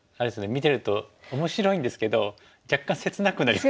見てると面白いんですけど若干切なくなりますね。